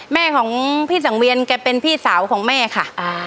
แม่ของพี่สังเวียนแกเป็นพี่สาวของแม่ค่ะ